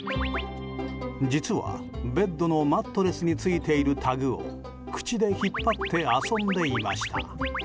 実は、ベッドのマットレスについているタグを口で引っ張って遊んでいました。